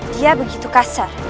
dia begitu kasar